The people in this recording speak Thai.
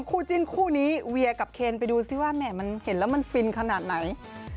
คู่จิ้นคู่นี้เวียกับเคนไปดูซิว่าแหม่มันเห็นแล้วมันฟินขนาดไหน